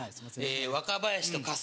若林と春日。